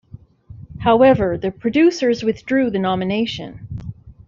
However, the producers withdrew the nomination.